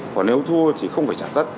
còn nếu thua thì không phải trả tất